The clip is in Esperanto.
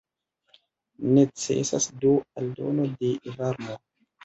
Necesas do aldono de varmo.